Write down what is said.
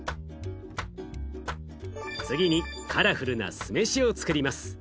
次にカラフルな酢飯をつくります。